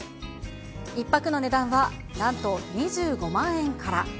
１泊の値段はなんと２５万円から。